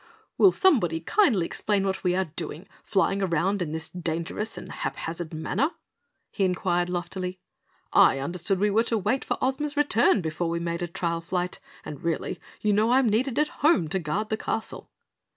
"Will someone kindly explain what we are doing, flying around in this dangerous and haphazard manner?" he inquired loftily. "I understood we were to wait for Ozma's return before we made a trial flight! And really, you know, I'm needed at home to guard the castle."